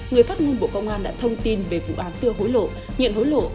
người phát ngôn bộ công an đã thông tin về vụ án đưa hối lộ nhận hối lộ